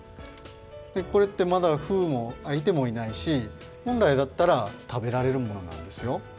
これってまだふうもあいてもいないしほんらいだったら食べられるものなんですよ。